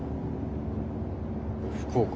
福岡。